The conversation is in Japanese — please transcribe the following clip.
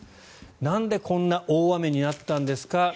なんでこんな大雨になったんですか。